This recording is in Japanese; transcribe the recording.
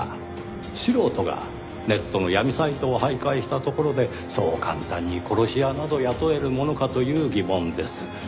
素人がネットの闇サイトを徘徊したところでそう簡単に殺し屋など雇えるものかという疑問です。